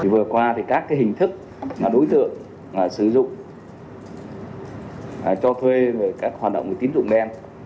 vừa qua các hình thức đối tượng sử dụng cho thuê về các hoạt động tín dụng đen